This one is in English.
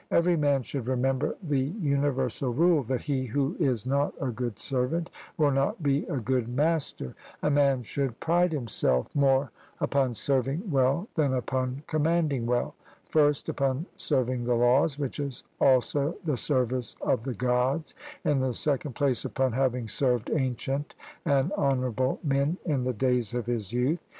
Every man should remember the universal rule, that he who is not a good servant will not be a good master; a man should pride himself more upon serving well than upon commanding well: first upon serving the laws, which is also the service of the Gods; in the second place, upon having served ancient and honourable men in the days of his youth.